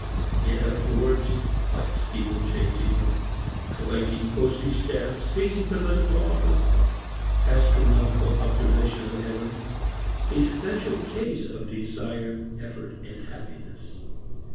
It affords, like steeple chasing, or collecting postage stamps, seeking political office, astronomical observation of the heavens, a special case of desire, effort, and happiness.